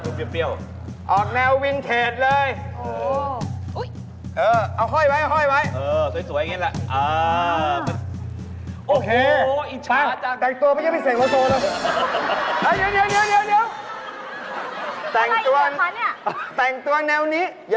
นี่ขนาด๖๗กรัมนะเนอะ